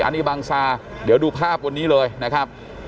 อันนี้บังซาเดี๋ยวดูภาพวันนี้เลยนะครับ